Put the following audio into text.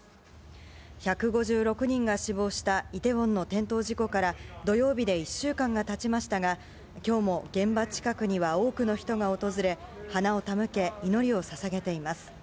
１５６人が死亡したイテウォンの転倒事故から土曜日で１週間がたちましたが、きょうも現場近くには多くの人が訪れ、花を手向け、祈りをささげています。